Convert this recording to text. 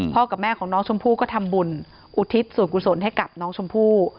กับแม่ของน้องชมพู่ก็ทำบุญอุทิศส่วนกุศลให้กับน้องชมพู่